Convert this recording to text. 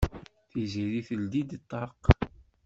Tiziri teldi-d ṭṭaq.